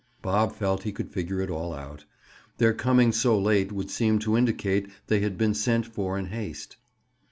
Bob felt he could figure it all out. Their coming so late would seem to indicate they had been sent for in haste.